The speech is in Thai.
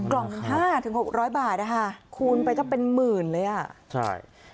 กล่อง๕๖๐๐บาทคูณไปก็เป็นหมื่นเลย